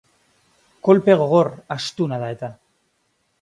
Kolpe gogor, astuna da eta.